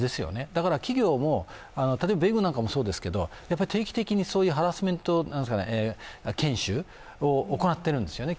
だから企業も例えば米軍なんかもそうですが定期的にハラスメント研修を行っているんですよね。